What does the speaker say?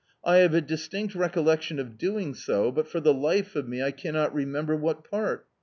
I have a distinct recollection of doing so, but for the life of me I cannot remember what part."